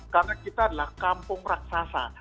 karena kita adalah kampung raksasa